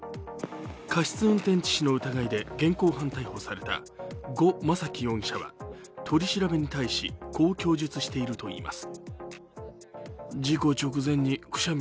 過失運転致死の疑いで現行犯逮捕された呉昌樹容疑者は取り調べに対しこう供述しているといいます。